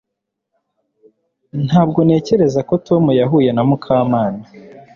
Ntabwo ntekereza ko Tom yahuye na Mukamana